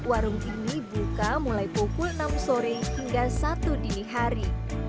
warung ini buka mulai pukul enam sore hingga satu dini hari